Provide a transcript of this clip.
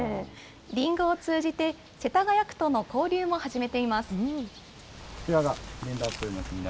りんごを通じて、世田谷区との交流も始めています。